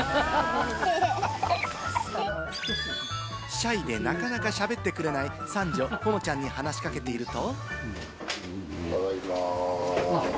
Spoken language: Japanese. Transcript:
シャイでなかなか喋ってくれない三女・ほのちゃんに話しかけていると。